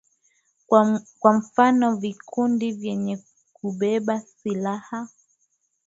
kwa mfano vikundi vyenye kubeba silaha